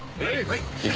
はい！